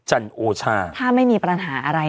จันโอชาถ้าไม่มีปัญหาอะไร